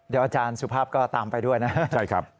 เดี๋ยวอาจารย์สุภาพก็ตามไปด้วยนะใช่ครับ